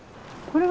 これ？